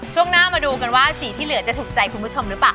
ช่วงหน้ามาดูกันว่าสีที่เหลือจะถูกใจคุณผู้ชมหรือเปล่า